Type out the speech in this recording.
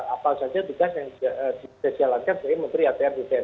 apa saja tugas yang sudah dijalankan sebagai menteri atr dan bpn